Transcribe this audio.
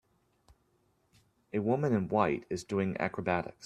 A woman in white is doing acrobatics.